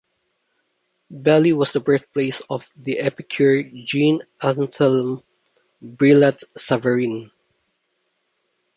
Belley was the birthplace of the epicure Jean-Anthelme Brillat-Savarin.